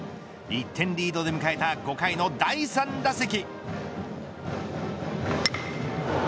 １点リードで迎えた５回の第３打席。